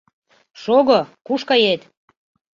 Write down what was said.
— Шого, куш кает!